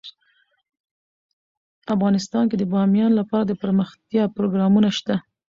افغانستان کې د بامیان لپاره دپرمختیا پروګرامونه شته.